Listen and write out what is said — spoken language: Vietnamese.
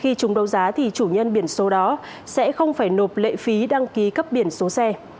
khi chúng đấu giá thì chủ nhân biển số đó sẽ không phải nộp lệ phí đăng ký cấp biển số xe